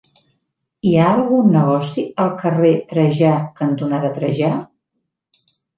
Hi ha algun negoci al carrer Trajà cantonada Trajà?